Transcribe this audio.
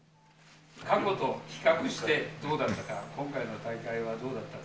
過去と比較してどうだったか、今回の大会はどうだったか。